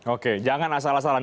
oke jangan asal asalan